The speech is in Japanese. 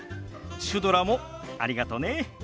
シュドラもありがとね。